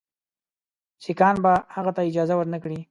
سیکهان به هغه ته اجازه ورنه کړي.